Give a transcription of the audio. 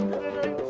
aduh kamu t'ah